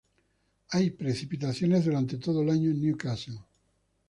Hay precipitaciones durante todo el año en Newcastle.